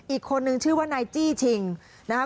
อีกคนนึงชื่อว่านายจี้ชิงนะคะ